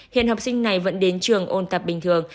hiện học sinh này vẫn đến trường ôn tập bình thường